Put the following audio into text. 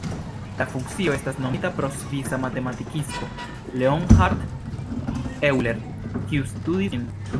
La funkcio estas nomita pro svisa matematikisto Leonhard Euler, kiu studis ĝin.